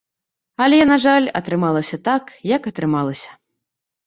Але, на жаль, атрымалася так, як атрымалася.